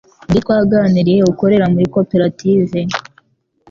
Undi twaganiriye ukorera muri koperative